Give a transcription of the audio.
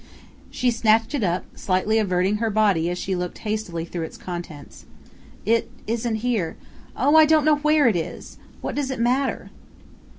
She snatched it up, slightly averting her body as she looked hastily through its contents. "It isn't here.... Oh, I don't know where it is! What does it matter?"